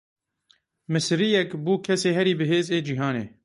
Misiriyek bû kesê herî bihêz ê cîhanê.